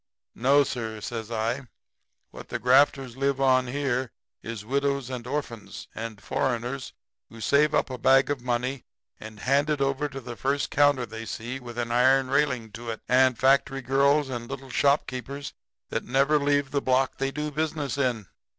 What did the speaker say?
No, sir,' says I. 'What the grafters live on here is widows and orphans, and foreigners who save up a bag of money and hand it out over the first counter they see with an iron railing to it, and factory girls and little shopkeepers that never leave the block they do business on.